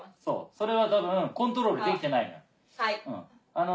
それは多分コントロールできてないから。